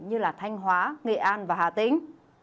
như thanh hóa nghệ an và hà tĩnh